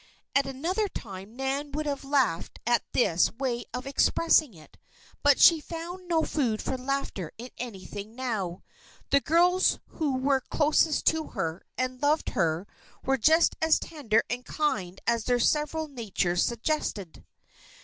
At another time Nan would have laughed at this way of expressing it; but she found no food for laughter in anything now. The girls who were closest to her, and loved her, were just as tender and kind as their several natures suggested.